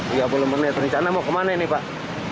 lalu lintasnya gimana pak